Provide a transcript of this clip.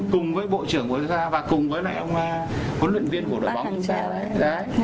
cùng với bộ trưởng bộ y tế và cùng với lại ông huấn luyện viên của đội bóng y tế